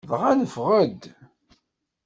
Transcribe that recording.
Dɣa neffeɣ-d.